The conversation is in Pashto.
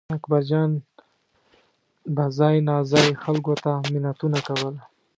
اکبرجان به ځای ناځای خلکو ته منتونه کول.